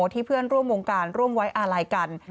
เพื่อนร่วมวงการร่วมไว้อาลัยกัน